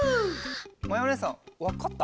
まやおねえさんわかった？